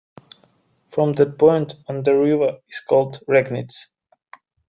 From that point on the river is called Regnitz.